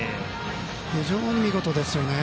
非常に見事ですよね。